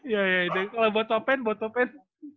ya ya kalo buat pak pen buat pak pen